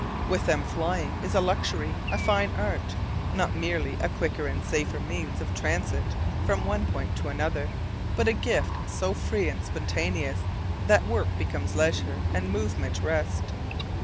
With them flying is a luxury, a fine art; not merely a quicker and safer means of transit from one point to another, but a gift so free and spontaneous that work becomes leisure and movement rest.